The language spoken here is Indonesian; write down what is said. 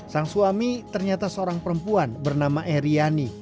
sang suami ternyata seorang perempuan bernama eriani